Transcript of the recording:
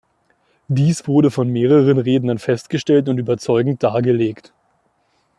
Dies wurde von mehreren Rednern festgestellt und überzeugend dargelegt.